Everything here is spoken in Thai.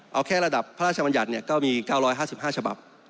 เอาแค่ระดับพระราชบัญญัติก็มี๙๕๕ฉบับ